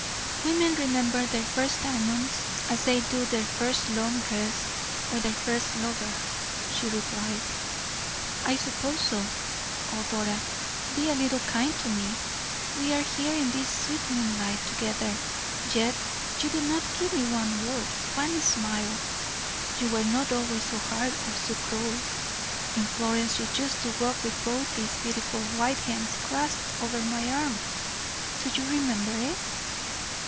"Women remember their first diamonds, as they do their first long dress or their first lover," she replied. "I suppose so. Oh, Dora, be a little kind to me! We are here in this sweet moonlight together, yet you do not give me one word, one smile. You were not always so hard or so cruel. In Florence, you used to walk with both these beautiful white hands clasped over my arm. Do you remember it?"